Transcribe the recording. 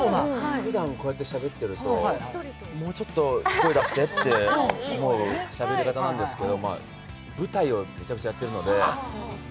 ふだんこうやってしゃべってるともうちょっと声出してっていうしゃべり方なんですけど舞台をめちゃくちゃやってるので。